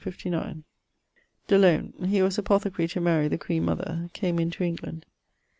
De Laune: he was apothecary to Mary the queen mother: came into England....